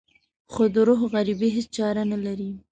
خو د روح غريبي هېڅ چاره نه لري.